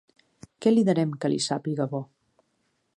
Què li darem que li sàpiga bo?